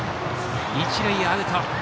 一塁、アウト。